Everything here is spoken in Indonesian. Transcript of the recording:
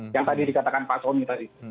yang tadi dikatakan pak soni tadi